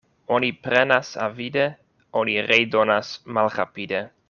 Oni prenas avide, oni redonas malrapide.